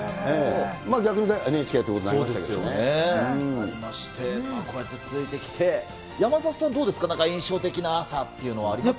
逆に、ＮＨＫということになりまこうやって続いてきて、山里さんどうですか、なんか、印象的な朝っていうのはありますか。